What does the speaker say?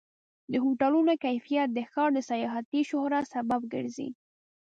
د هوټلونو کیفیت د ښار د سیاحتي شهرت سبب ګرځي.